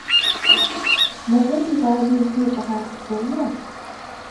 Mazal yebɣa ad igiǧǧ ɣer Lezzayer?